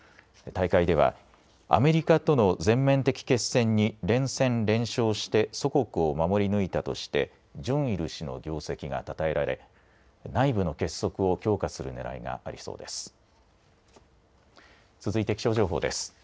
大会ではアメリカとの全面的決戦に連戦連勝して祖国を守り抜いたとして、ジョンイル氏の業績がたたえられ内部の結束を強化するねらいがありそうです。